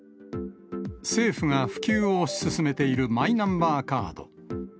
政府が普及を推し進めているマイナンバーカード。